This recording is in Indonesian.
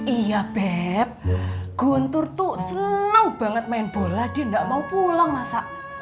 iya beb guntur tuh seneng banget main bola dia gak mau pulang masa